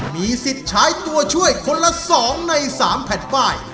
มีสิทธิ์ใช้ตัวช่วยคนละ๒ใน๓แผ่นป้าย